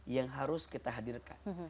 yang harus kita hadirkan